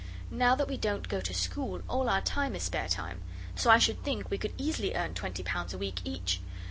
Now that we don't go to school all our time is spare time. So I should think we could easily earn twenty pounds a week each.